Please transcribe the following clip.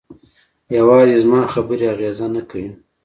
یوازې زما خبرې اغېزه نه کوي.